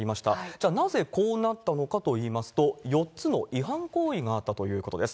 じゃあなぜ、こうなったのかといいますと、４つの違反行為があったということです。